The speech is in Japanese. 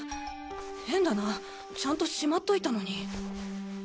変だなちゃんとしまっといたのに。